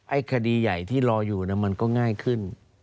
คดีใหญ่ที่รออยู่มันก็ง่ายขึ้น